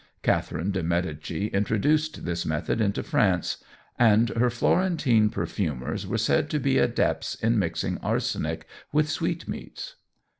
Catherine de Medici introduced this method into France, and her Florentine perfumers were said to be adepts in mixing arsenic with sweetmeats.